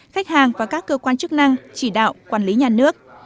khách hàng và các cơ quan chức năng chỉ đạo quản lý nhà nước